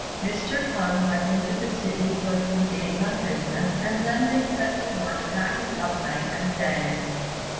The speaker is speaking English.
Mr. K'ung went into the city for a few days on business, and then they set to work packing up night and day.